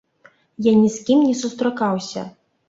Я ні з кім не сустракаўся.